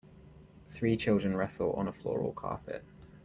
Three children wrestle on a floral carpet.